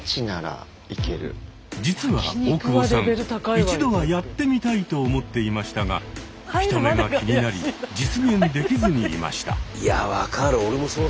実は大久保さん一度はやってみたいと思っていましたが人目が気になり実現できずにいました。